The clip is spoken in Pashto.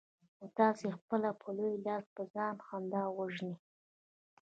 خو تاسې پخپله په لوی لاس په ځان خندا وژنئ.